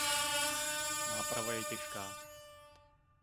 Náprava je těžká.